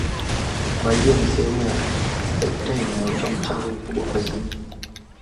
Kwa hiyo ni sehemu au sekta inayotoa mchango mkubwa kwa jamii